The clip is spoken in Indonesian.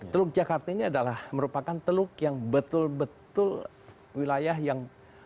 teluk jakarta ini adalah merupakan teluk yang betul betul wilayah yang